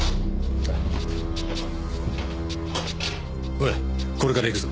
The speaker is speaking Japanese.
おいこれからいくぞ。